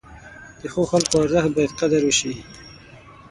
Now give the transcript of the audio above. د ښو خلکو ارزښت باید قدر شي.